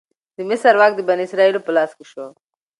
د مصر واک د بنی اسرائیلو په لاس کې شو.